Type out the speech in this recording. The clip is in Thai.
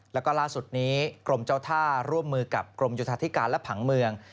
แล้วก็ล่าสุดนี้กรมเจ้าท่าร่วมมือกับกรมโยธาธิการและผังเมือง